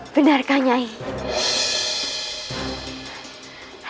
aku akan mencari nyai iroh